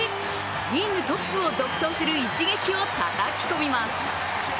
リーグトップを独走する一撃をたたき込みます。